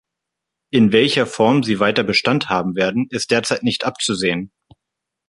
In welcher Form sie weiter Bestand haben werden, ist derzeit nicht abzusehen.